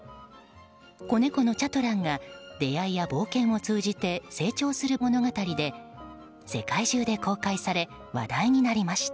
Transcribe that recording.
子猫のチャトランが出会いや冒険を通じて成長する物語で世界中で公開され話題となりました。